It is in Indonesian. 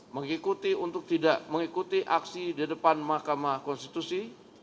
mengikuti untuk tidak mengikuti aksi di depan mahkamah konstitusi